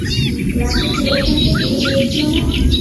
রাকেশ রৌশনকে গুলি মেরেছিলো না?